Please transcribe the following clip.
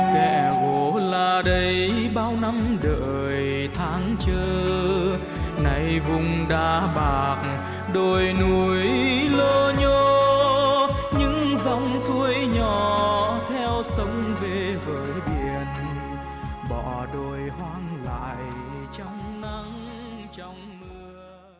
kẻ gỗ là đây bao năm đợi tháng trơ nay vùng đá bạc đôi núi lơ nhô những dòng suối nhỏ theo sông về vời biển bỏ đôi hoang lại trong nắng trong mưa